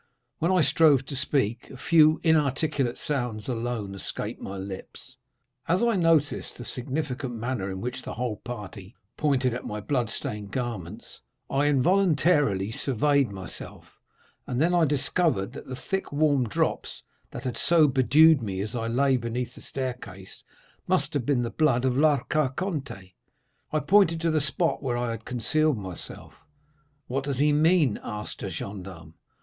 When I strove to speak, a few inarticulate sounds alone escaped my lips. "As I noticed the significant manner in which the whole party pointed to my blood stained garments, I involuntarily surveyed myself, and then I discovered that the thick warm drops that had so bedewed me as I lay beneath the staircase must have been the blood of La Carconte. I pointed to the spot where I had concealed myself. "'What does he mean?' asked a gendarme.